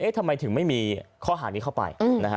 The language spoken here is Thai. ทำไมถึงไม่มีข้อหานี้เข้าไป